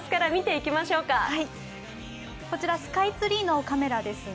こちら、スカイツリーのカメラですね。